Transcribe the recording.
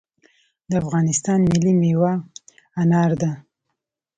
د افغانستان ملي میوه انار ده